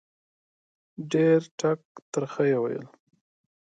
ډېر ټک ترخه یې وویل.